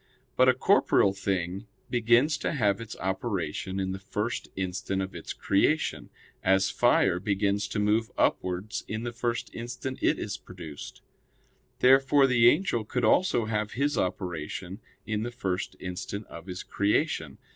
But a corporeal thing begins to have its operation in the first instant of its creation; as fire begins to move upwards in the first instant it is produced. Therefore the angel could also have his operation in the first instant of his creation.